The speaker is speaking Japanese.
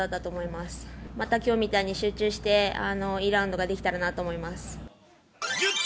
またきょうみたいに集中して、いいラウンドができたらなと思います。